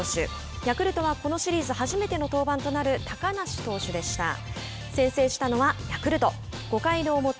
ヤクルトは、このシリーズ初めての登板となる高梨投手でした。